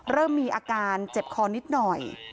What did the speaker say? เริ่มมีอาการเจ็บคอนิดหน่อย